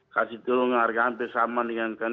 kasih tolong harga hampir sama dengan kanan